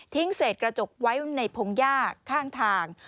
เศษกระจกไว้ในพงหญ้าข้างทาง